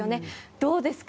どうですか？